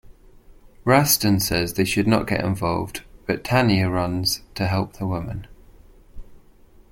Rastenn says they should not get involved, but Tannier runs to help the woman.